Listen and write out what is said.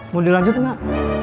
mau dilanjut nggak